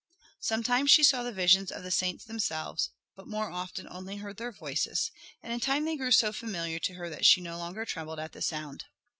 Sometimes she saw the visions of the saints themselves, but more often only heard their voices, and in time they grew so familiar to her that she no longer trembled at the sound.